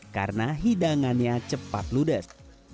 karena hidangannya cepat ludes